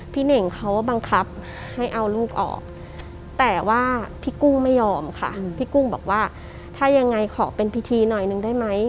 เน่งเขาบังคับให้เอาลูกออกแต่ว่าพี่กุ้งไม่ยอมค่ะพี่กุ้งบอกว่าถ้ายังไงขอเป็นพิธีหน่อยนึงได้ไหม